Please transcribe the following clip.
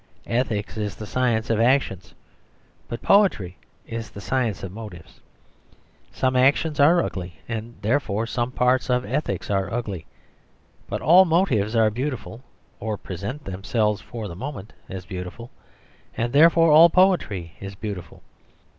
Ethics is the science of actions, but poetry is the science of motives. Some actions are ugly, and therefore some parts of ethics are ugly. But all motives are beautiful, or present themselves for the moment as beautiful, and therefore all poetry is beautiful.